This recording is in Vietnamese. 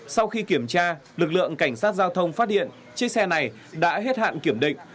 sau khi kiểm tra lực lượng cảnh sát giao thông phát điện chiếc xe này đã hết hạn kiểm định